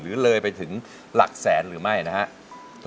หรือเลยไปถึงหลักแสนหรือไม่นะครับ